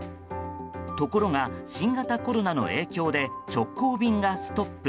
ところが、新型コロナの影響で直行便がストップ。